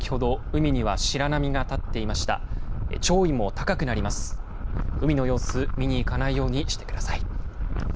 海の様子、見に行かないようにしてください。